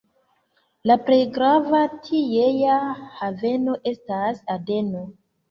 La plej grava tiea haveno estas Adeno.